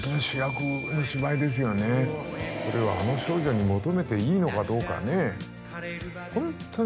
それをあの少女に求めていいのかどうかね。